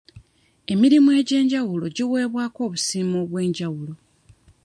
Emirimu egy'enjawulo giweebwako obusiimo obw'enjawulo.